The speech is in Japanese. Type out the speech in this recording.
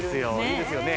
いいですよね